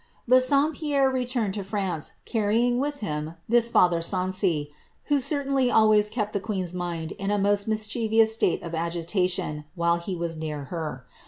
^ Bassompierre returned to France, carrying with him this &ther Sancy, who certainly always kept the queen's mind in a most mis chievous state of agitation, while he was near her.